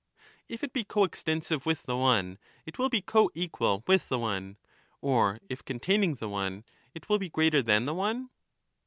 If it be co extensive with the one it will be co equal with equal, be the one, or if containing the one it will be greater than cause not the one